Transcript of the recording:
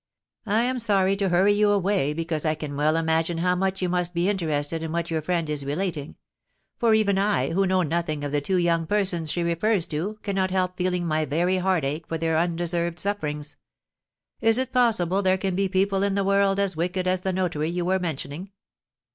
I am sorry to hurry you away, because I can well imagine how much you must be interested in what your friend is relating; for even I, who know nothing of the two young persons she refers to, cannot help feeling my very heart ache for their undeserved sufferings. Is it possible there can be people in the world as wicked as the notary you were mentioning?